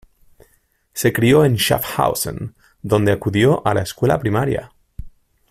Se crio en Schaffhausen, donde acudió a la escuela primaria.